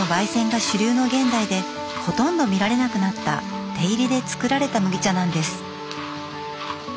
煎が主流の現代でほとんど見られなくなった手炒りで作られた麦茶なんです。